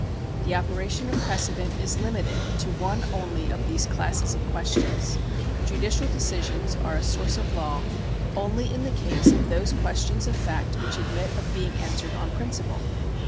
The operation of precedent is limited to one only of these classes of questions. Judicial decisions are a source of law only in the case of those questions of fact which admit of being answered on principle.